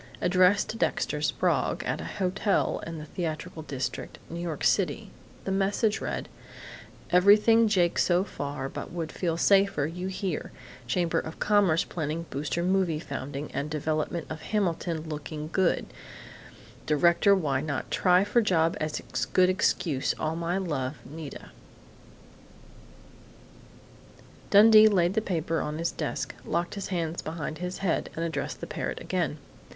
Addressed to Dexter Sprague, at a hotel in the theatrical district, New York City, the message read: "EVERYTHING JAKE SO FAR BUT WOULD FEEL SAFER YOU HERE CHAMBER OF COMMERCE PLANNING BOOSTER MOVIE FOUNDING AND DEVELOPMENT OF HAMILTON LOOKING GOOD DIRECTOR WHY NOT TRY FOR JOB AS GOOD EXCUSE ALL MY LOVE NITA" Dundee laid the paper on his desk, locked his hands behind his head, and addressed the parrot again.